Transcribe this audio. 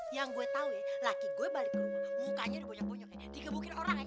yang gue tau ya laki gue balik ke rumah mukanya goyang goyang dikebukin orang ya